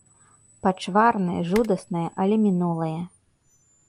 Пачварнае, жудаснае, але мінулае.